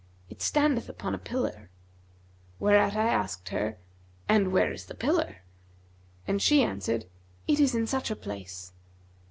It standeth upon a pillar'—Whereat I asked her, 'And where is the pillar?' and she answered, 'It is in such a place.'